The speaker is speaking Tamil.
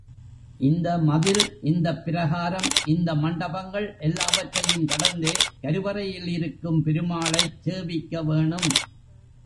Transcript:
இந்த மதில், இந்தப் பிரகாரம், இந்த மண்டபங்கள் எல்லாவற்றையும் கடந்தே கருவறையில் இருக்கும் பெருமாளைச் சேவிக்க வேணும்.